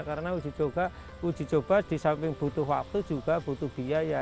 karena uji coba di samping butuh waktu juga butuh biaya